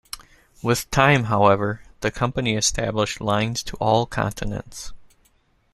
With time, however, the company established lines to all continents.